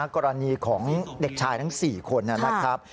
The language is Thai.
กรณีของเด็กชายทั้ง๔คนนะครับ